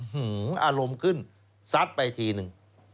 อารมณ์ขึ้นซัดไปทีนึง